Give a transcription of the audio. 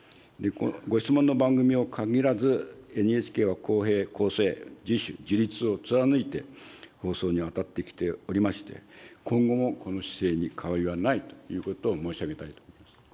ご質問の番組をかぎらず、ＮＨＫは公平・公正、自主・自律を貫いて放送に当たってきておりまして、今後もこの姿勢に変わりはないということを申し上げたいと思います。